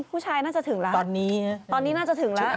ผู้ชาย้น่าจะถึงแล้วตอนนี้เนี่ยตอนนี้น่าจะถึงล่ะ